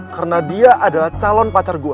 karena dia adalah calon pacar gue